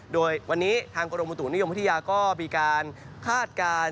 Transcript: โดยวันนี้ทางกนิยพยาวัลก์ปธิจะมีคาดการณ์